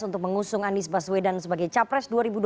untuk mengusung anies baswedan sebagai capres dua ribu dua puluh